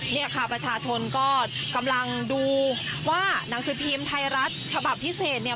เนี่ยค่ะประชาชนก็กำลังดูว่าหนังสือพิมพ์ไทยรัฐฉบับพิเศษเนี่ย